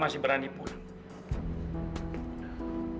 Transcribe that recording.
masih berani pulang